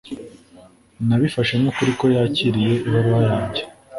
Nabifashe nkukuri ko yakiriye ibaruwa yanjye